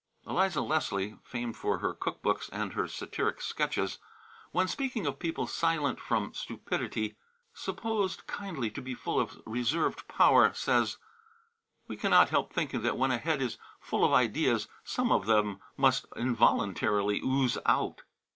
Eliza Leslie (famed for her cook books and her satiric sketches), when speaking of people silent from stupidity, supposed kindly to be full of reserved power, says: "We cannot help thinking that when a head is full of ideas some of them must involuntarily ooze out."